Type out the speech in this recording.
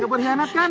gak perhianat kan